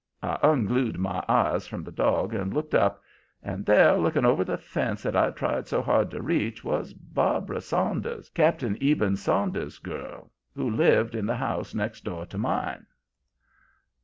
I unglued my eyes from the dog and looked up, and there, looking over the fence that I'd tried so hard to reach, was Barbara Saunders, Cap'n Eben Saunders' girl, who lived in the house next door to mine.